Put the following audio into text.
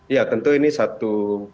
ya tentu ini satu